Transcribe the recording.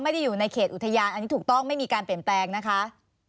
อยู่ในเขตอุทยานอันนี้ถูกต้องไม่มีการเปลี่ยนแปลงนะคะ